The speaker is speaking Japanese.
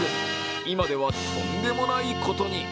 今ではとんでもないことに！